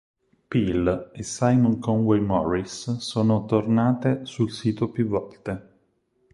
Peel e Simon Conway Morris sono tornate sul sito più volte.